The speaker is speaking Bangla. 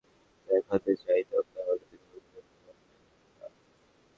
আমি যদি তোমাকে আমাকে না দেখাতে চাইতাম তাহলে তুমি আমাকে দেখতে পারতে না।